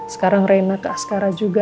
sekarang rena ke ascara juga